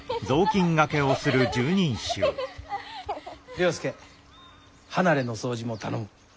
了助離れの掃除も頼む。